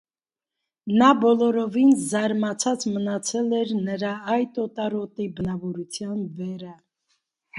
Նա բոլորովին զարմացած մնացել էր նրա այդ օտարոտի բնավորության վերա: